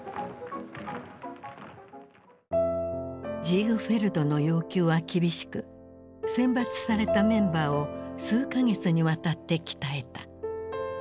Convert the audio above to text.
ジーグフェルドの要求は厳しく選抜されたメンバーを数か月にわたって鍛えた。